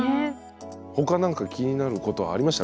他なんか気になることありました？